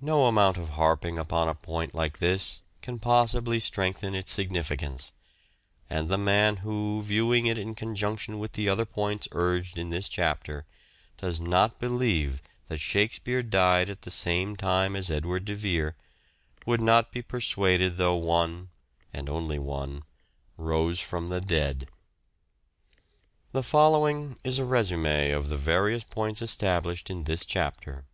No amount of harping upon a point like this can possibly strengthen its significance ; and the man who, viewing it in conjunction with the other points urged in this chapter, does not believe that " Shakespeare " died at the same time as Edward de Vere would not be persuaded though one (and only one) rose from the dead. The following is a resume" of the various points established in this chapter : i.